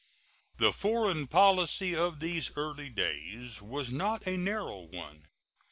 The foreign policy of these early days was not a narrow one.